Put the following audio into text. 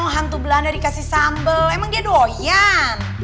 hantu belanda dikasih sambal emang dia doyan